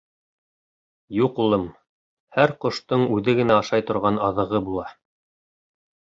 — Юҡ, улым, һәр ҡоштоң үҙе генә ашай торған аҙығы була.